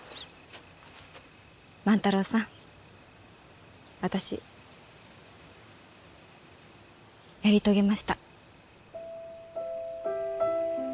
万太郎さん私やり遂げました。